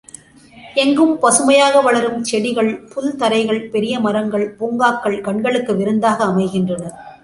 எங்கும் பசுமையாக வளரும் செடிகள், புல் தரைகள், பெரிய மரங்கள், பூங்காக்கள் கண்களுக்கு விருந்தாக அமைகின்றன.